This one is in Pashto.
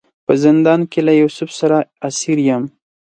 په زندان کې له یوسف سره اسیر یم.